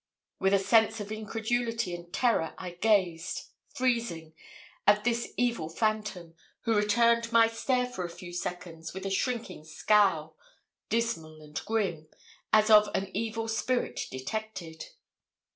With a sense of incredulity and terror I gazed, freezing, at this evil phantom, who returned my stare for a few seconds with a shrinking scowl, dismal and grim, as of an evil spirit detected.